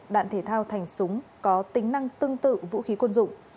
đạn thể thao thành súng có tính năng tương tự vũ khí quân dụng